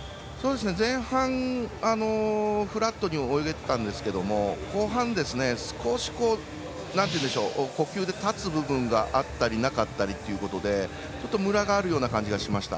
前半フラットに泳げてたですけど後半、少し呼吸で立つ部分があったりなかったりというのでちょっとムラがあるような感じがしました。